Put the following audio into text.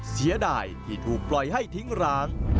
เสียดายที่ถูกปล่อยให้ทิ้งร้าง